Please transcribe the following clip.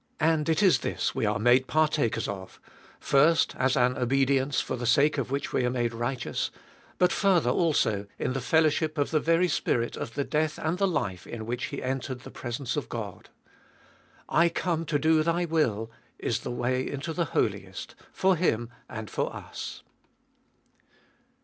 And it is this we are made partakers of — first, as an obedience for the sake of which we are made righteous ; but, further also, in the fellowship of the very spirit of the death and the life in which He entered the presence of God. I come to do Thy will, is the way into the Holiest, for Him and for us.